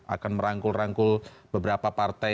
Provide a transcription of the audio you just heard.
akan merangkul rangkul beberapa partai